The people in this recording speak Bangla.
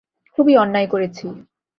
খুবই অন্যায় করেছি।